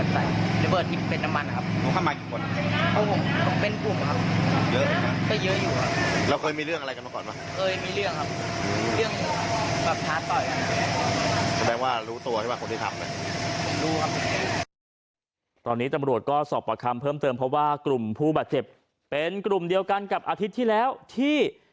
ตอนนี้ตำรวจก็สอบประคำเพิ่มเติมเพราะว่ากลุ่มผู้บาดเจ็บเป็นกลุ่มเดียวกันกับอาทิตย์ที่แล้วที่